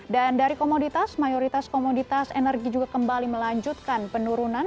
dan dari komoditas mayoritas komoditas energi juga kembali melanjutkan penurunan